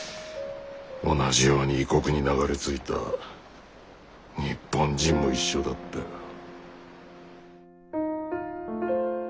同じように異国に流れ着いた日本人も一緒だったよ。